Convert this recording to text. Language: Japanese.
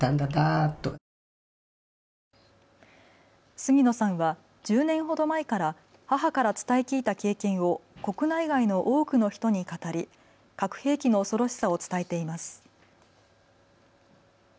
杉野さんは１０年ほど前から母から伝え聞いた経験を国内外の多くの人に語り核兵器の恐ろしさを伝えています。